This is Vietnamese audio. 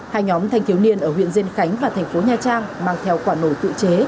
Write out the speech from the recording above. hai nhóm thanh thiếu niên ở huyện diên khánh và tp nha trang mang theo quả nổ tự chế